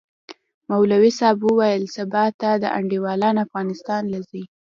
مولوي صاحب وويل سبا د تا انډيوالان افغانستان له زي.